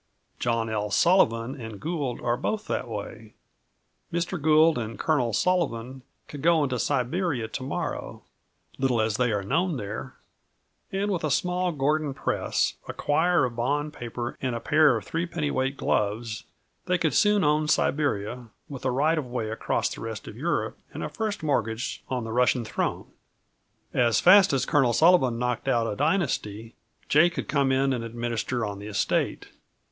John L. Sullivan and Gould are both that way. Mr. Gould and Col. Sullivan could go into Siberia to morrow little as they are known there and with a small Gordon press, a quire of bond paper and a pair of three pennyweight gloves they would soon own Siberia, with a right of way across the rest of Europe and a first mortgage on the Russian throne. As fast as Col. Sullivan knocked out a dynasty Jay could come in and administer on the estate.